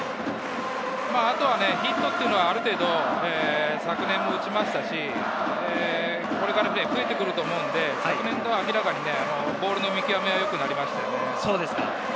あとは、ヒットはある程度、昨年も打ちましたし、これから増えてくると思うので、昨年とは明らかにボールの見極めが良くなりましたね。